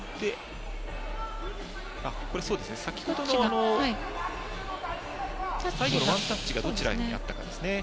先ほどの最後のワンタッチがどちらになったかですね。